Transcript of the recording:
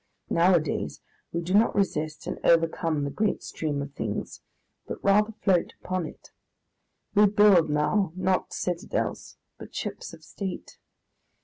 Nowadays we do not resist and overcome the great stream of things, but rather float upon it. We build now not citadels, but ships of state.